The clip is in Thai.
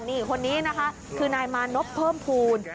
นี่คนนี้นะคะคือนายมานพเพิ่มภูมิ